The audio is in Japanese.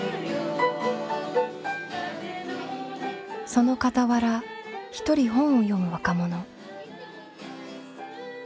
その傍ら一人本を読む若者。